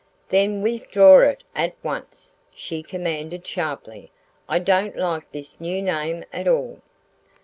"Then withdraw it at once!" she commanded sharply. "I don't like this new name at all."